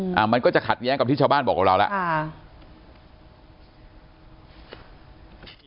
อืมอ่ามันก็จะขัดแย้งกับที่ชาวบ้านบอกกับเราค่ะ